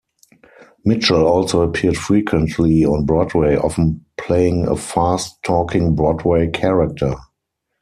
Mitchell also appeared frequently on Broadway, often playing a fast-talking Broadway character.